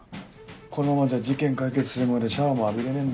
このままじゃ事件解決するまでシャワーも浴びれねえんだよ。